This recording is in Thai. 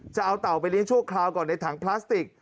จะเอาเต่าไปเลี้ยชั่วคราวก่อนในถังพลาสติก